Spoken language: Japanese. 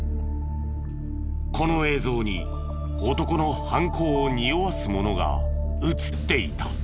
この映像に男の犯行をにおわすものが映っていた。